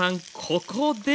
ここで！